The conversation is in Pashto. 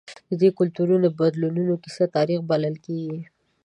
د دې کلتورونو د بدلونونو کیسه تاریخ بلل کېږي.